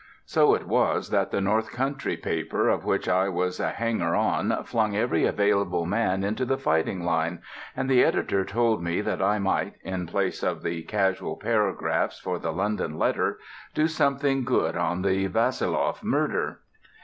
So it was that the North Country paper of which I was a hanger on flung every available man into the fighting line, and the editor told me that I might, in place of the casual paragraphs for the London Letter, do something good on the Vassiloff murder.